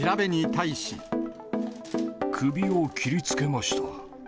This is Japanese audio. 首を切りつけました。